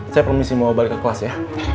saya permisi mau balik ke kelas ya